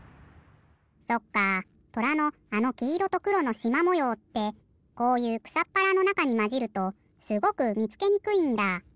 そっかとらのあのきいろとくろのしまもようってこういうくさっぱらのなかにまじるとすごくみつけにくいんだ。